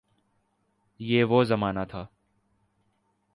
یہ وہ زمانہ تھا۔